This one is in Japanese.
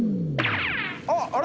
あっあれ！